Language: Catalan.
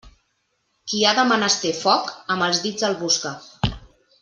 Qui ha de menester foc, amb els dits el busca.